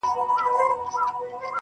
پسرلی سو ژمی ولاړی مخ یې تور سو-